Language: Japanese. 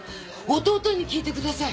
弟に聞いてください！